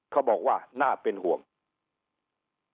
เขาบอกว่าน่าเป็นห่วง